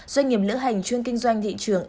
doanh nghiệp lữ hành chuyên kinh doanh thị trường